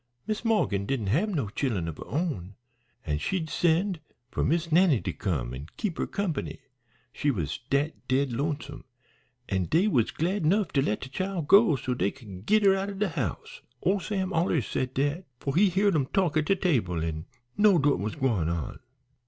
Miss Morgan didn't hab no chillen of her own, an' she'd send for Miss Nannie to come an' keep her company, she was dat dead lonesome, an' dey was glad 'nough to let dat chile go so dey could git her out o' de house. Ole Sam allers said dat, for he heared 'em talk at table an' knowed what was gwine on.